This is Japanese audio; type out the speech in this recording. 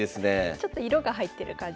ちょっと色が入ってる感じの。